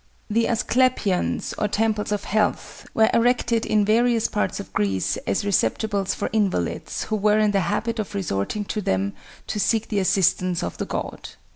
The Asclepions, or temples of health, were erected in various parts of Greece as receptacles for invalids, who were in the habit of resorting to them to seek the assistance of the god.